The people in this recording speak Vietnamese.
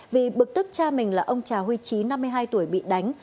vì bực tức cha mình là ông trà huy trí năm mươi hai tuổi bị đánh